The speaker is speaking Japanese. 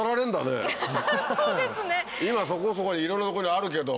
今そこそこにいろんなとこにあるけど。